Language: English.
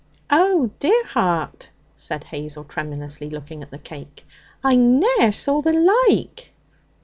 'Oh, dear heart!' said Hazel tremulously, looking at the cake, 'I ne'er saw the like!'